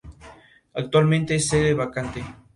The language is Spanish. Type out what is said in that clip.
Así la devoción hacia Rita se extendió por toda Italia.